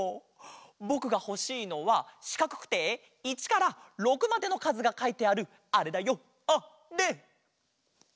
ぼくがほしいのはしかくくて１から６までのかずがかいてあるあれだよあれ！